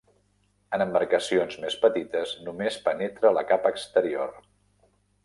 En embarcacions més petites només penetra la capa exterior.